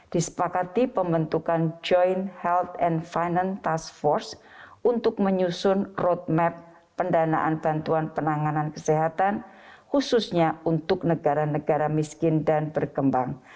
disepakati pembentukan joint health and finance task force untuk menyusun roadmap pendanaan bantuan penanganan kesehatan khususnya untuk negara negara miskin dan berkembang